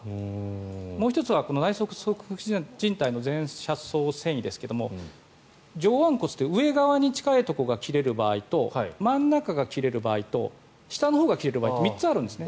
もう１つは、内側側副じん帯の前斜走線維ですが上腕骨という上側に近いところが切れる場合と真ん中が切れる場合と下のほうが切れる場合と３つあるんですね。